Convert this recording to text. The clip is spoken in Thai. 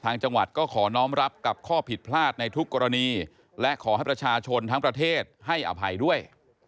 จังหวัดก็ขอน้องรับกับข้อผิดพลาดในทุกกรณีและขอให้ประชาชนทั้งประเทศให้อภัยด้วย